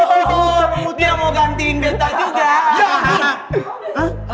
oh dia mau gantiin beta juga